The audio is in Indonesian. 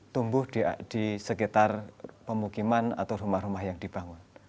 tumbuh di sekitar pemukiman atau rumah rumah yang dibangun